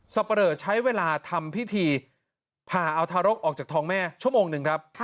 ปะเลอใช้เวลาทำพิธีผ่าเอาทารกออกจากท้องแม่ชั่วโมงหนึ่งครับ